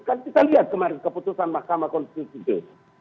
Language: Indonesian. kan kita lihat kemarin keputusan mahkamah konstitusi itu